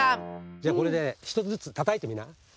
じゃこれで１つずつたたいてみな。